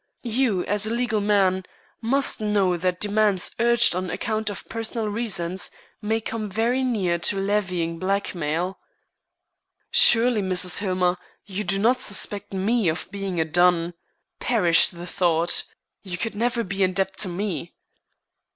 You, as a legal man, must know that demands urged on account of personal reasons may come very near to levying blackmail." "Surely, Mrs. Hillmer, you do not suspect me of being a dun. Perish the thought! You could never be in debt to me."